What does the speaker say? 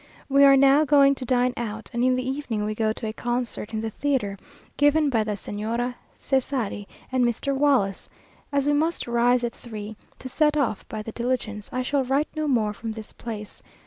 We are now going to dine out, and in the evening we go to a concert in the theatre, given by the Señora Cesari and Mr. Wallace. As we must rise at three, to set off by the diligence, I shall write no more from this place.